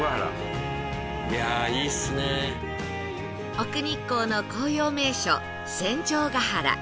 奥日光の紅葉名所戦場ヶ原